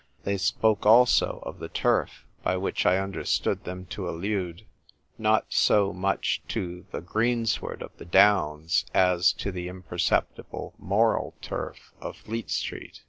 They spoke also of the turf; by which I understood them to allude, not so much to THE STRUGGLE FOR LIFE. 23 the greensward of the downs, as to the im perceptible moral turf of Fleet Street.